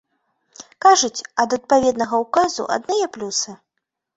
Кажуць, ад адпаведнага ўказу адныя плюсы!